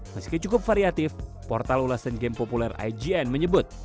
meski cukup variatif portal ulasan game populer ign menyebut